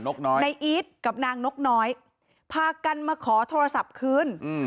ในอีทกับนางนกน้อยพากันมาขอโทรศัพท์คืน